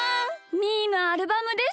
みーのアルバムです。